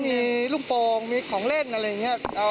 มีลูกโปรงมีของเล่นอะไรอย่างนี้